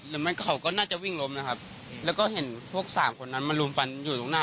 ไม่เขาก็น่าจะวิ่งล้มนะครับแล้วก็เห็นพวกสามคนนั้นมาลุมฟันอยู่ตรงหน้า